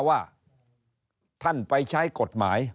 ว่าท่านไปใช้กฎหมาย